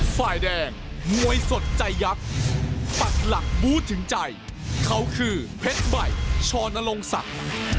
ฝ่ายแดงมวยสดใจยักษ์ปักหลักบู้ถึงใจเขาคือเพชรใหม่ชนรงศักดิ์